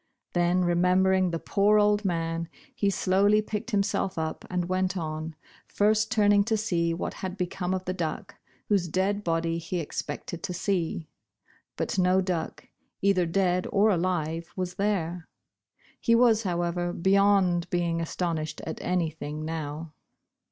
Then, remembering the poor old man, he slowly picked himself up, and went on, first turning to see what had become of the duck, whose dead body he expected to see. But no duck, either dead or alive, was there. He was, however, be yond being astonished at anything now.